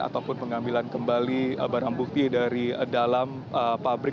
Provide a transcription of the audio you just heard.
ataupun pengambilan kembali barang bukti dari dalam pabrik